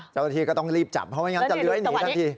เจ้าหน้าที่ก็ต้องรีบจับเพราะไม่งั้นจะเลื้อยหนีทันที